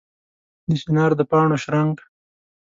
د چنار د پاڼو شرنګ